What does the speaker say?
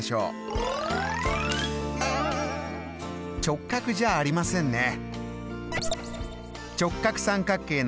直角じゃありませんね。